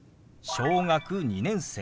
小学２年生。